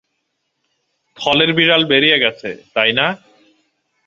থলের বিড়াল বেরিয়ে গেছে, তাই না?